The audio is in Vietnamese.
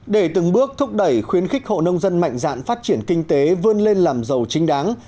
để từng bước thúc đẩy khuyến khích hộ nông dân mạnh dạn phát triển kinh tế vươn lên làm giàu chính đáng